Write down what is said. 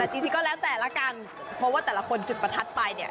แต่จริงก็แล้วแต่ละกันเพราะว่าแต่ละคนจุดประทัดไป